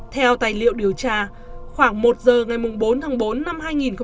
theo tài liệu điều tra khoảng một giờ ngày bốn tháng bốn năm hai nghìn hai mươi